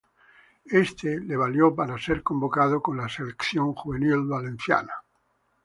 Éste le valió pare ser convocado con la selección juvenil valenciana.